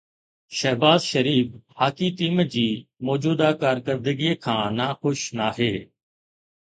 Shahbaz Sharif hockey team جي موجوده ڪارڪردگيءَ کان خوش ناهي